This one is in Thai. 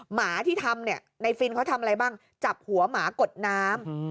หมาที่ทำเนี่ยในฟินเขาทำอะไรบ้างจับหัวหมากดน้ำ